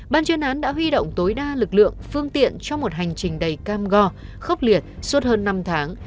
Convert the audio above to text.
ban chuyên án đã huy động tối đa lực lượng phương tiện cho một hành trình đầy cam go khốc liệt suốt hơn năm tháng